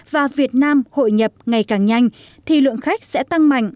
và việt nam hội nhập ngày càng nhanh thì lượng khách sẽ tăng mạnh